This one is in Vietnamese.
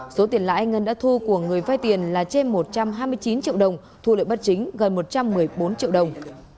số tiền lãi ngân đã thu của người vai tiền là trên một trăm hai mươi chín triệu đồng thu lợi bất chính gần một trăm một mươi bốn triệu đồng